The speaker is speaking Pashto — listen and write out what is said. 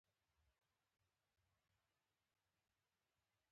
هغوی تر ټولو غټ منفعت پرستان دي پوه شوې!.